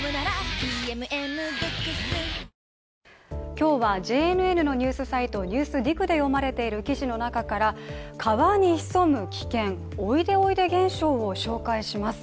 今日はＪＮＮのニュースサイト、「ＮＥＷＳＤＩＧ」で読まれている記事の中から、川に潜む危険、おいでおいで現象を紹介します。